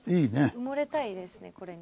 埋もれたいですねこれに。